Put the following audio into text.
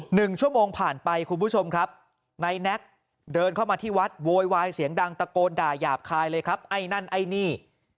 หนึ่งชั่วโมงผ่านไปคุณผู้ชมครับนายแน็กเดินเข้ามาที่วัดโวยวายเสียงดังตะโกนด่าหยาบคายเลยครับไอ้นั่นไอ้นี่